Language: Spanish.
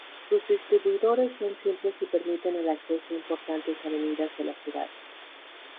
Sus distribuidores son simples, y permiten el acceso a importantes avenidas de la ciudad.